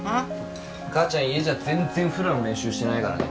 母ちゃん家じゃ全然フラの練習してないからね。